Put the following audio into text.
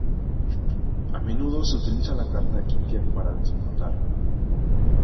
A menudo se utiliza la carta "kicker" para desempatar.